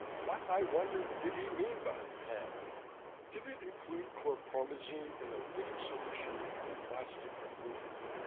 What, I wondered, did he mean by "handle"? Did it include chlorpromazine in a lytic solution and a plastic cocoon?